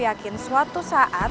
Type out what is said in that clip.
mungkin suatu saat